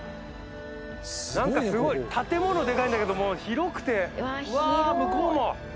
なんかスゴい建物デカイんだけど広くてわ向こうも。